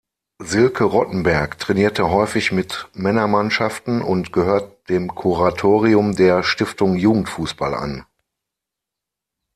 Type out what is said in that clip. Silke Rottenberg trainierte häufig mit Männermannschaften und gehört dem Kuratorium der Stiftung Jugendfußball an.